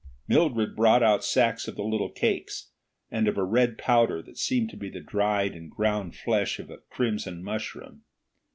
Mildred brought out sacks of the little cakes, and of a red powder that seemed to be the dried and ground flesh of a crimson mushroom.